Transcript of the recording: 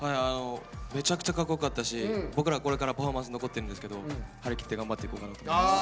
めちゃくちゃかっこよかったし僕ら、これからパフォーマンス残ってるんですけど張り切って頑張っていこうかなと思います。